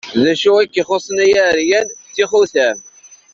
D acu i k-ixuṣṣen ay aεeryan? D tixutam!